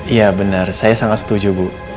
iya benar saya sangat setuju bu